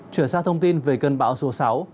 chuyển sang thông tin về cơn bão số sáu